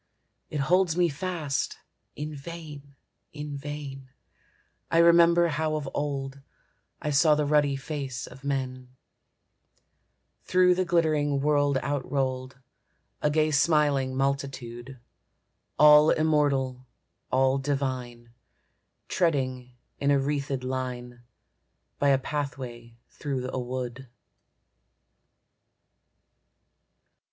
It holds me fast. In vain, in vain, I remember how of old I saw the ruddy race of men, Through the glittering world outrolled, A gay smiling multitude, All immortal, all divine, Treading in a wreathèd line By a pathway through a wood.